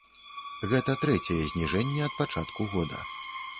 Гэта трэцяе зніжэнне ад пачатку года.